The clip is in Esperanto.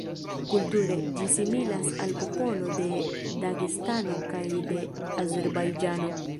Kulture, ĝi similas al popolo de Dagestano kaj de Azerbajĝano.